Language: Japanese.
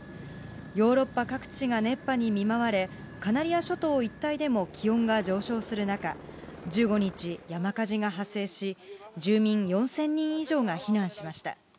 ヨーロッパ各地が熱波に見舞われ、カナリア諸島一帯でも気温が上昇する中、１５日、山火事が発生し、住民４０００人以上が避難しました。